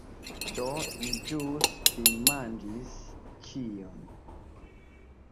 Do, ni ĵus finmanĝis ĉion